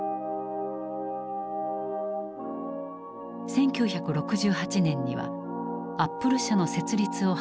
１９６８年にはアップル社の設立を発表。